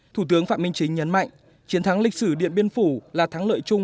thủ tướng phạm minh chính nhấn mạnh chiến thắng lịch sử điện biên phủ là thắng lợi chung